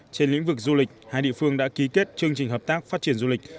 trên lĩnh vực du lịch hai địa phương đã ký kết chương trình hợp tác phát triển du lịch